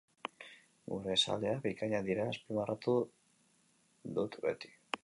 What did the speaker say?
Gure zaleak bikainak direla azpimarratu duit beti.